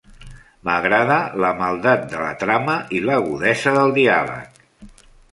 M'agrada la maldat de la trama i l'agudesa del diàleg.